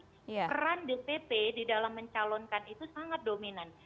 peran dpp di dalam mencalonkan itu sangat dominan